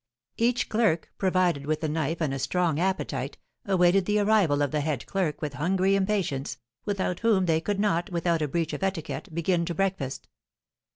Each clerk, provided with a knife and a strong appetite, awaited the arrival of the head clerk with hungry impatience, without whom they could not, without a breach of etiquette, begin to breakfast.